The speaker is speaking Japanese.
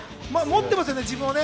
持ってますよね、自分を。